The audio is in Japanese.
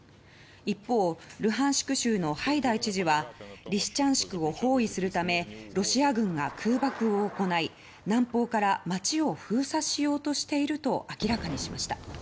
一方、ルハンシク州のハイダイ知事はリシチャンシクを包囲するためロシア軍が空爆を行い南方から街を封鎖しようとしていると明らかにしました。